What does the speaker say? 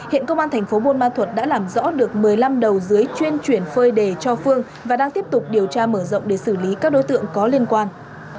hiện công an thành phố buôn ma thuật đã làm rõ được một mươi năm đầu dưới chuyên chuyển phơi đề cho phương và đang tiếp tục điều tra mở rộng để xử lý các đối tượng có liên quan